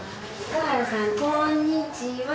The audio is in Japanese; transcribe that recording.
こんにちは。